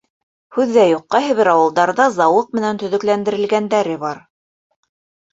Һүҙ ҙә юҡ, ҡайһы бер ауылдарҙа зауыҡ менән төҙөкләндерелгәндәре бар.